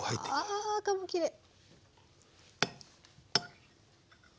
わあ赤もきれい！